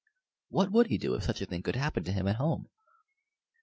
What would he do if such a thing could happen to him at home?